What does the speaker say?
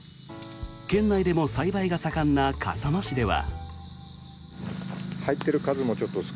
県内でも栽培が盛んな笠間市では。